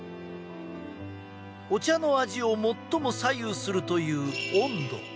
お茶の味を最も左右するという温度。